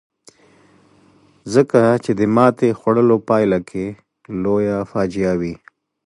ځکه چې د ماتې خوړلو پایله پکې لویه فاجعه وي.